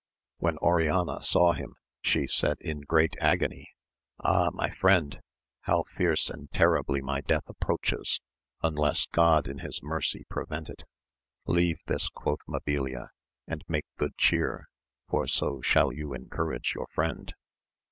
When Oriana saw him, she said in great agony. Ah my friend, how fierce and terribly my death approaches, unless God in his mercy 96 AMADIS OF GAUL. prevent it. Leave this, quoth Mabilia, and make good ' chear, for so shall you encourage your friend.